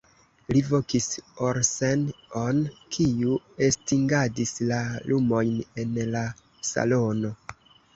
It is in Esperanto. Li vokis Olsen'on, kiu estingadis la lumojn en la salono.